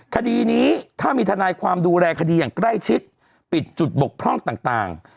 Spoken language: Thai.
คดีนี้ถ้ามีทนายความดูแลคดีอย่างใกล้ชิดปิดจุดบกพร่องต่าง